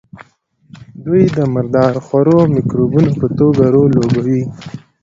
دوی د مردار خورو مکروبونو په توګه رول لوبوي.